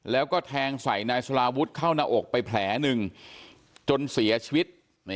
แล้วก็แทงใส่นายสลาวุฒิเข้าหน้าอกไปแผลหนึ่งจนเสียชีวิต